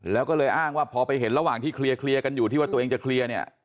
แล้วก็เลยอ้างว่าพอไปเห็นระหว่างที่เคลียร์กันอยู่ที่ว่าตัวเองจะเคลียร์เนี่ย